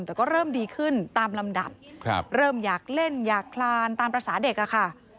แต่ก็เริ่มดีขึ้นตามลำดับเริ่มอยากเล่นอยากคลานตามภาษาเด็กอะค่ะ